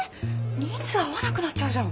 人数合わなくなっちゃうじゃん。